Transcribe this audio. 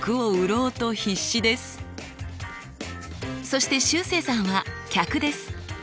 そしてしゅうせいさんは客です。